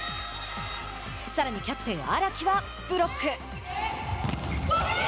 さらにキャプテン荒木はブロック。